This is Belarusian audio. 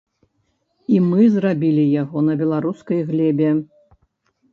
І мы зрабілі яго на беларускай глебе.